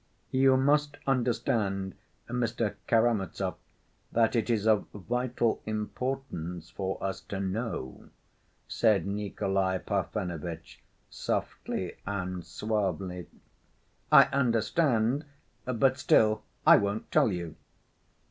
"You must understand, Mr. Karamazov, that it is of vital importance for us to know," said Nikolay Parfenovitch, softly and suavely. "I understand; but still I won't tell you."